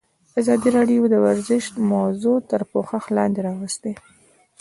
ازادي راډیو د ورزش موضوع تر پوښښ لاندې راوستې.